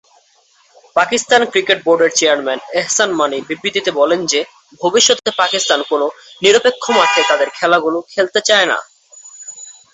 Pakistan cricket বোর্ডের chairman Ehsan Mani বিবৃতিতে বলেন যে, ভবিষ্যতে পাকিস্তান কোন নিরপেক্ষ মাঠে তাদের খেলাগুলো খেলতে চায় না।